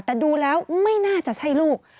แต่ดูแล้วไม่น่าจะใช่ลูก